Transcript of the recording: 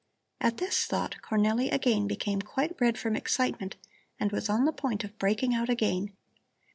At this thought Cornelli again became quite red from excitement and was on the point of breaking out again.